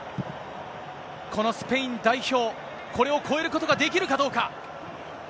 このスペイン代表、これを越えることができるかどうか。